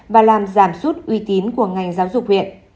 và làm giảm sút uy tín của ngành giáo dục huyện